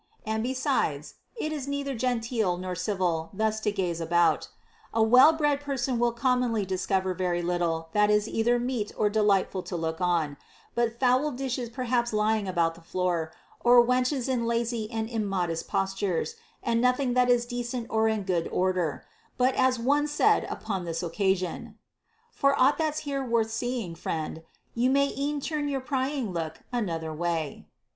And besides, it is neither genteel nor civil thus to gaze about. A well bred person will com monly discover very little that is either meet or delightful to look on ; but foul dishes perhaps lying about the floor, or wenches in lazy or immodest postures, and nothing that is decent or in good order ; but as one said upon this oc casion, For ought that's here worth seeing, friend, you may Ev'n turn your prying look another way.